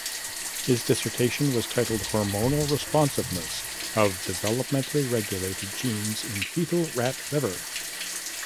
His dissertation was titled "Hormonal responsiveness of developmentally regulated genes in fetal rat liver".